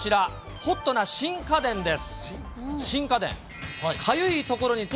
ホットなシン・家電です。